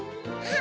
あ！